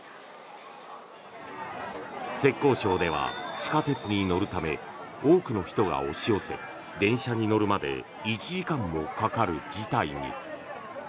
浙江省では地下鉄に乗るため多くの人が押し寄せ電車に乗るまで１時間もかかる事態に。